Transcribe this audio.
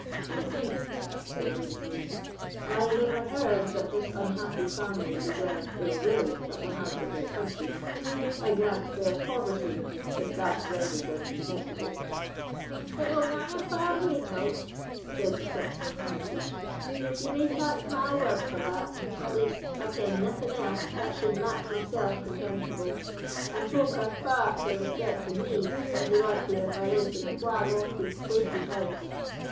"Indeed!" said Ravenswood; "I never heard that this unhappy family deserved ill will at the hands of their country. I grant their poverty, if that renders them contemptible." "It will gang a far way till't" said the sexton of Hermitage, "ye may tak my word for that; at least, I ken naething else that suld mak myself contemptible, and folk are far frae respecting me as they wad do if I lived in a twa lofted sclated house.